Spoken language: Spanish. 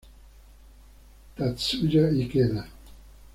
Tatsuya Ikeda